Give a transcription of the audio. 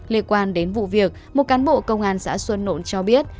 liên quan đến vụ việc một cán bộ công an xã xuân nộn cho biết